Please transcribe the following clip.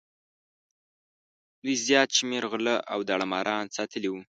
دوی زیات شمېر غله او داړه ماران ساتلي وو.